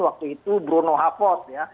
waktu itu bruno havod ya